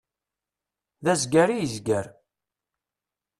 D azgar i yezger.